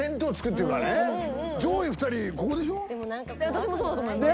私もそうだと思います。